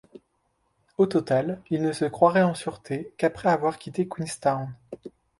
Au total, ils ne se croiraient en sûreté qu’après avoir quitté Queenstown.